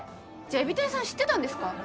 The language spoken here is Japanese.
じゃあ海老天さん知ってたんですか？